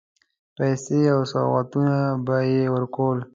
پیسې او سوغاتونه به یې ورکول.